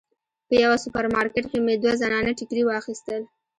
په یوه سوپر مارکیټ کې مې دوه زنانه ټیکري واخیستل.